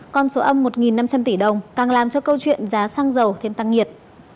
con số âm một năm trăm linh tỷ đồng càng làm cho câu chuyện giá xăng dầu thêm tăng nhiệt